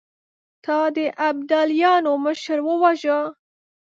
تا د ابداليانو مشر وواژه!